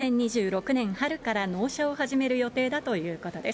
２０２５年に発売、２０２６年春から納車を始める予定だということです。